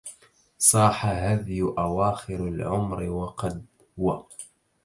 صاح هذي أواخر العمر وقد و